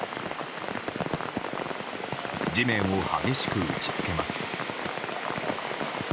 地面を激しく打ち付けます。